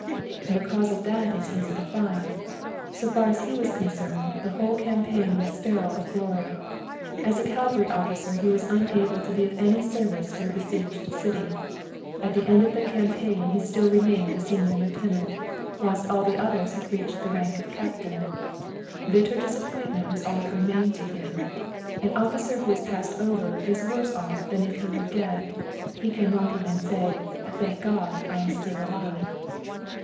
"'The cause of that is easy to find. So far as he was concerned, the whole campaign was sterile of glory. As a cavalry officer he was unable to be of any service to the besieged city. At the end of the campaign he still remained a senior lieutenant, whilst all the others had reached the rank of captain. Bitter disappointment was all that remained to him. An officer who is passed over is worse off than if he were dead. He cannot even say, "Thank God, I am still alive!"'